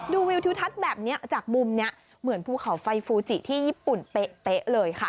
วิวทิวทัศน์แบบนี้จากมุมนี้เหมือนภูเขาไฟฟูจิที่ญี่ปุ่นเป๊ะเลยค่ะ